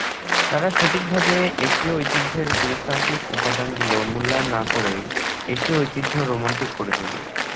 তারা সঠিকভাবে এশীয় ঐতিহ্যের পুরুষতান্ত্রিক উপাদানগুলো মূল্যায়ন না করেই, এশীয় ঐতিহ্য রোমান্টিক করে তোলে।